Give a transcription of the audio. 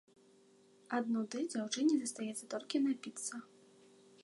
Ад нуды дзяўчыне застаецца толькі напіцца.